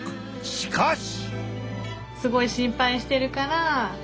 しかし。